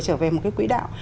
trở về một cái quỹ đạo